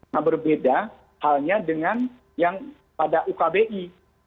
nah berbeda halnya dengan yang pada ukbi